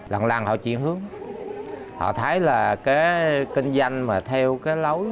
lần lăn họ chuyển hướng họ thấy là cái kinh doanh mà theo cái lối